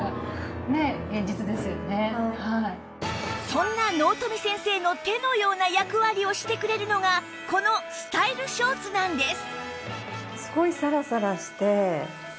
そんな納富先生の手のような役割をしてくれるのがこのスタイルショーツなんです